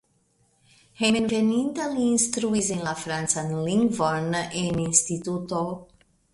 Hejmenveninta li instruis en la francan lingvon en instituto.